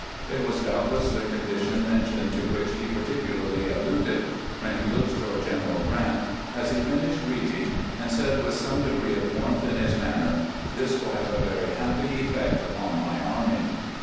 It was doubtless the condition mentioned to which he particu larly alluded when he looked toward General Grant, as he finished reading, and said with some degree of warmth in his manner, " This will have a very happy effect upon my army."